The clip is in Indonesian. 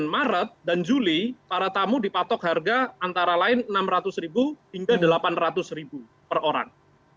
sembilan maret dan juli para tamu dipatok harga antara lain rp enam ratus hingga rp delapan ratus per orang